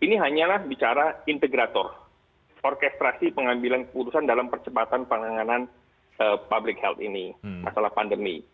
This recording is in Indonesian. ini hanyalah bicara integrator orkestrasi pengambilan keputusan dalam percepatan penanganan public health ini masalah pandemi